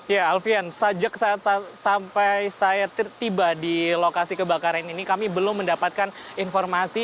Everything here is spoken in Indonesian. ya alfian sejak saat sampai saya tiba di lokasi kebakaran ini kami belum mendapatkan informasi